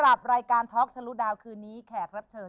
รายการท๊อคฉันรู้ดาวคืนนี้แขกรับเชิญ